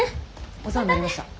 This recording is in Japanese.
お世話になりました。